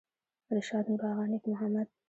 رشاد نورآغا نیک محمد